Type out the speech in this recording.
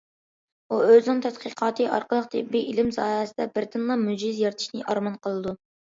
ئۇ ئۆزىنىڭ تەتقىقاتى ئارقىلىق تېببىي ئىلىم ساھەسىدە بىردىنلا مۆجىزە يارىتىشنى ئارمان قىلىدۇ.